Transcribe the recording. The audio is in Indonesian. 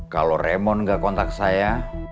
kalau remond gak kontak saya